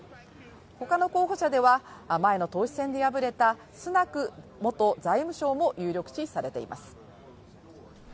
他の候補者では前の党首選で敗れたスナク元財務相も有力視されています。